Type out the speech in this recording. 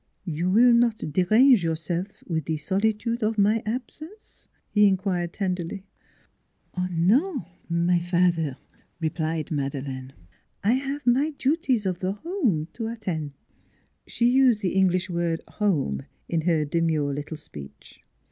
" You will not derange yourself with the soli tude of my absence ?" he inquired tenderly. " No, my father," replied Madeleine. " I have my duties of the home to attend." NEIGHBORS 199 She used the English word home in her demure little speech.